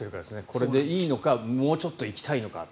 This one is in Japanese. これでいいのかもうちょっと行きたいのか。